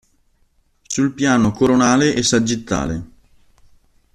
Sul piano coronale e sagittale.